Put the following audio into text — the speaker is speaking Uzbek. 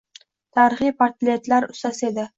Tarixiy portretlar ustasi edi